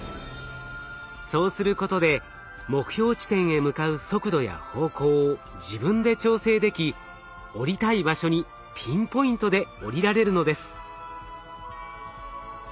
そうすることで目標地点へ向かう速度や方向を自分で調整でき降りたい場所にピンポイントで降りられるのです。